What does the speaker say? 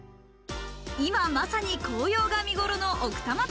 今まさに紅葉が見頃の奥多摩旅。